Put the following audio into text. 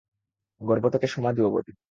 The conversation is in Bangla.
গর্ভ থেকে সমাধি অবধি।